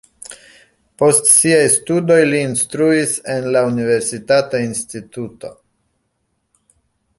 Post siaj studoj li instruis en la universitata instituto.